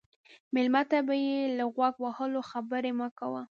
مېلمه ته بې له غوږ وهلو خبرې مه کوه.